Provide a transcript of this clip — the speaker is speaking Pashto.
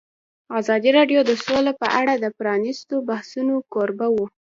ازادي راډیو د سوله په اړه د پرانیستو بحثونو کوربه وه.